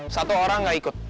satu orang gak ikut